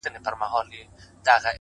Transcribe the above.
كه خپلوې مي نو در خپل مي كړه زړكيه زما ـ